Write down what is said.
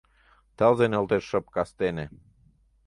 Тылзе нӧлтеш шып кастене —